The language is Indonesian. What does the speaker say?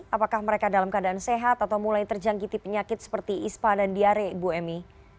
apakah mereka dalam keadaan sehat atau mulai terjangkiti penyakit seperti ispa dan diare bu emy